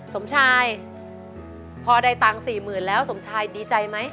สมชายพอได้ตังค์๔๐๐๐แล้วสมชายดีใจไหม